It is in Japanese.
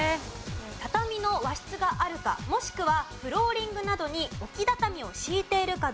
畳の和室があるかもしくはフローリングなどに置き畳を敷いているかどうかです。